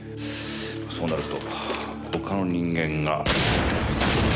そうなると他の人間が。